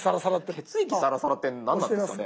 「血液サラサラ」って何なんですかね？